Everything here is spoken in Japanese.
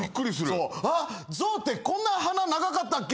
あっ象ってこんな鼻長かったっけ？